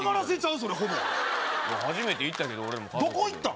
それほぼ初めて行ったけどどこ行ったん？